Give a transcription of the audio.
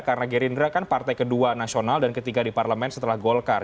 karena gerindra kan partai kedua nasional dan ketiga di parlemen setelah golkar